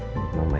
bersama mama ya